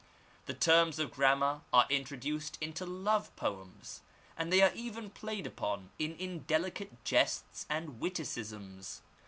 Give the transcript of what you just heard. The terms of gram mar are introduced into love poems, and they are even played upon in indelicate jests and witticisms.